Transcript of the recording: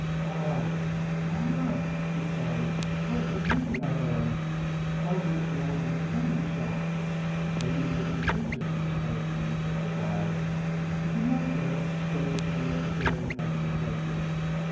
"Ah! Ah!" she cried. "What a beauty I am; why did no one ever tell me so? Not even the two Princesses are as beautiful as I." She knelt there, staring and staring at the reflection.